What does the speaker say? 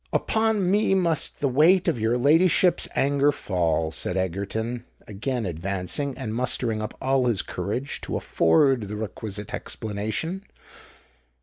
"Upon me must the weight of your ladyship's anger fall," said Egerton, again advancing, and mustering up all his courage to afford the requisite explanation.